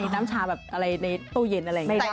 น้ำชาแบบอะไรในตู้เย็นอะไรอย่างนี้